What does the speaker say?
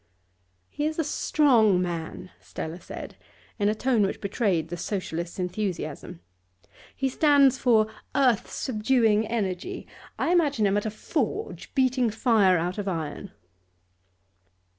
'He is a strong man,' Stella said in a tone which betrayed the Socialist's enthusiasm. 'He stands for earth subduing energy. I imagine him at a forge, beating fire out of iron.